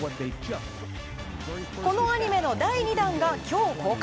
このアニメの第２弾が今日公開。